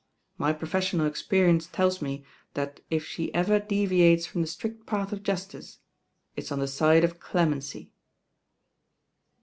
My professional o^enence teUs me that if she ever deviates from the strict path of justice, it's on the side of clemency."